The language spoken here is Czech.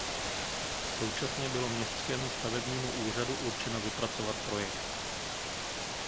Současně bylo městskému stavebnímu úřadu určeno vypracovat projekt.